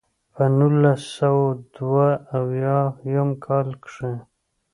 پۀ نولس سوه دوه اويا يم کال کښې